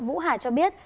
vũ hải cho biết